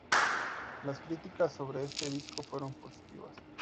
Las críticas sobre este disco fueron positivas.